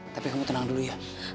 tapi kamu tenang dulu ya